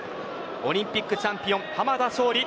オリンピックチャンピオン濱田尚里。